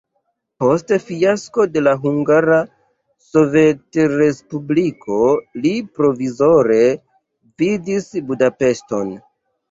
Post fiasko de la Hungara Sovetrespubliko li provizore gvidis Budapeŝton.